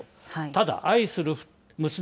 ただ、愛する娘